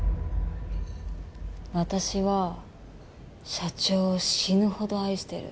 私は社長を死ぬほど愛してる。